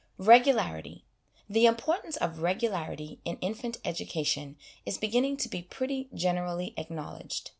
Regularity. The importance of Regularity in infant education is beginning to be pretty generally acknowledged.